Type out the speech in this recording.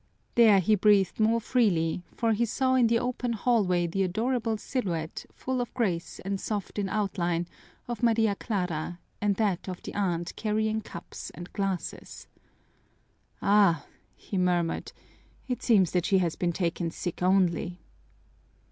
There he breathed more freely, for he saw in the open hallway the adorable silhouette, full of grace and soft in outline, of Maria Clara, and that of the aunt carrying cups and glasses. "Ah!" he murmured, "it seems that she has been taken sick only."